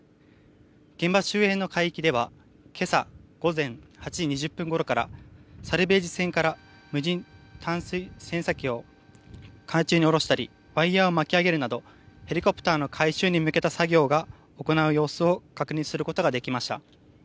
現場周辺の海域では今朝午前８時２０分ごろからサルベージ船から無人潜水探査機を海中に下ろしたりワイヤを巻き上げるなどヘリコプターの回収に向けた作業を行う様子を確認することができました。